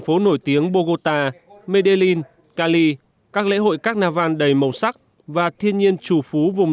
phố nổi tiếng bogota medellín cali các lễ hội carnival đầy màu sắc và thiên nhiên chủ phú vùng